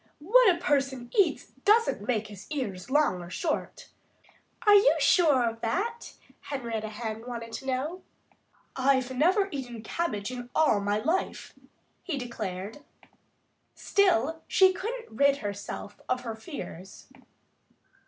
"What a person eats doesn't make his ears either long or short." "Are you sure of that?" Henrietta Hen wanted to know. "I've never eaten cabbage in all my life," he declared. Still she couldn't rid herself of her fears.